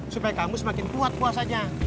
supaya kamu semakin kuat puasanya